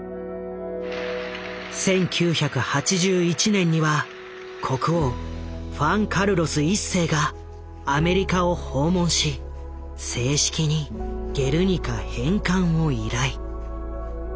１９８１年には国王フアン・カルロス１世がアメリカを訪問し正式に「ゲルニカ」返還を依頼。